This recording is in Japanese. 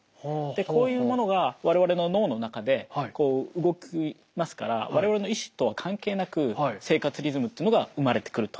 こういうものが我々の脳の中でこう動きますから我々の意思とは関係なく生活リズムっていうのが生まれてくると。